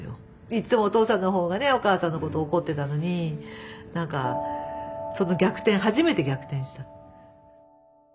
いっつもお父さんの方がねお母さんのことを怒ってたのに何かその逆転初めて逆転した。